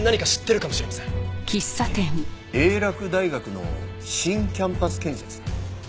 英洛大学の新キャンパス建設？